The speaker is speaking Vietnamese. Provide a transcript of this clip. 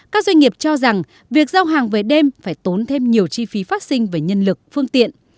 các doanh nghiệp cho rằng việc giao hàng về đêm phải tốn thêm nhiều chi phí phát sinh về nhân lực phương tiện